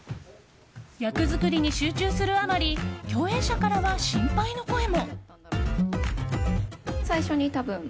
役作りに集中するあまり共演者からは心配の声も。